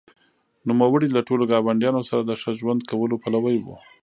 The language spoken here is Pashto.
نوموړي له ټولو ګاونډیانو سره د ښه ژوند کولو پلوی و.